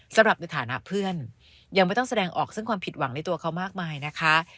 สำหรับในฐานะเพื่อนยังไม่ต้องแสดงออกซึ่งความผิดหวังในตัวเขามากมายนะคะ